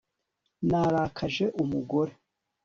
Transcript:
Narakaje umugore